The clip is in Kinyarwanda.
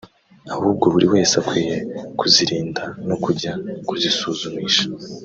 ahubwo buri wese akwiye kuzirinda no kujya kuzisuzumisha